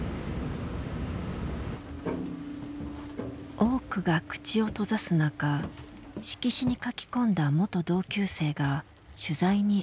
多くが口を閉ざす中色紙に書き込んだ元同級生が取材に応じた。